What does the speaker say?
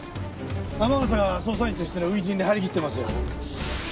天笠が捜査員としての初陣で張り切ってますよ。